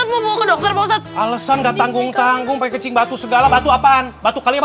semua alesan gak tanggung tanggung pengecar batu segala batu apaan batu tadi this